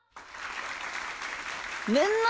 みんな！